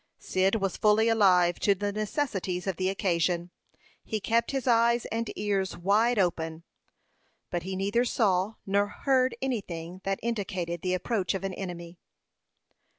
Cyd was fully alive to the necessities of the occasion. He kept his eyes and ears wide open, but he neither saw nor heard any thing that indicated the approach of an enemy.